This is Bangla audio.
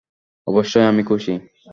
অবশ্যই আমি খুশি।